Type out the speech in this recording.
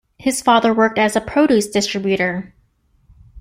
His father worked as a produce distributor.